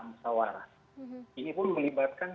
musawarah ini pun melibatkan